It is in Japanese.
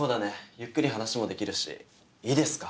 ゆっくり話もできるしいいですか？